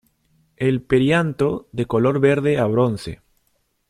El perianto de color verde a bronce.